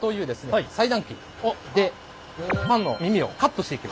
はい。